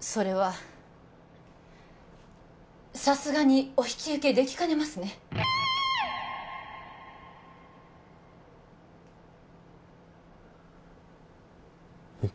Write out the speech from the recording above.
それはさすがにお引き受けできかねますねえっ